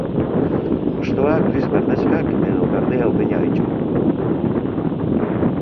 Hostoak gris-berdexkak edo berdea-urdinak ditu.